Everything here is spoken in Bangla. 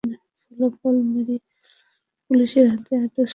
ফলাফল, মেরিল্যান্ডের পুলিশের হাতে আটক সর্বকালের অন্যতম সেরা সাঁতারু মাইকেল ফেল্প্স।